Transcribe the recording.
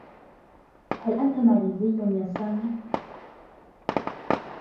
هل أنتَ ماليزي يا سامي؟